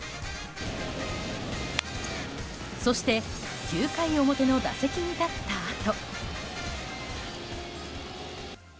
そして、９回表の打席に立ったあと。